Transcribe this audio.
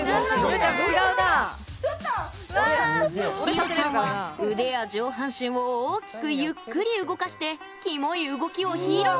リオさんは腕や上半身を大きくゆっくり動かしてキモい動きを披露。